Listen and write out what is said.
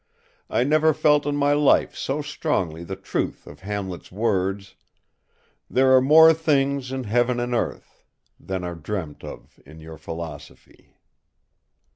I never felt in my life so strongly the truth of Hamlet's words: 'There are more things in Heaven and earth.... Than are dreamt of in your philosophy.